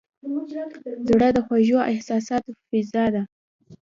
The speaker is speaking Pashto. زړه د خوږو احساساتو فضا ده.